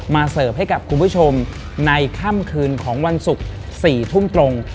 เสิร์ฟให้กับคุณผู้ชมในค่ำคืนของวันศุกร์๔ทุ่มตรง